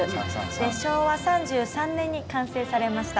昭和３３年に完成されました。